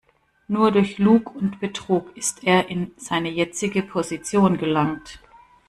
Nur durch Lug und Betrug ist er in seine jetzige Position gelangt.